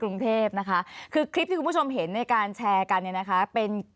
ร้อยตำรวจเอกร้อยตำรวจเอกร้อยตำรวจเอกร้อยตำรวจเอก